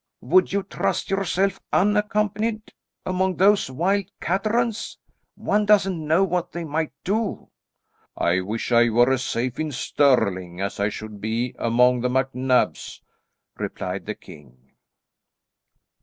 "Would you trust yourself, unaccompanied, among those wild caterans? One doesn't know what they might do." "I wish I were as safe in Stirling as I should be among the MacNabs," replied the king.